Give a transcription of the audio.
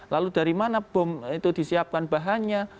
lalu dari mana bom itu disiapkan bahannya